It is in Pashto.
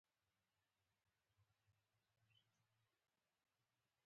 غرونه، رغونه او درې ښې اوبه لري